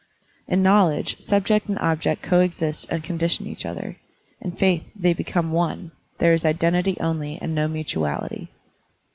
In knowledge subject and object coexist and condition each other; in faith they become one, there is identity only and no mutuality.